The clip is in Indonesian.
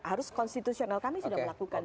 harus konstitusional kami sudah melakukan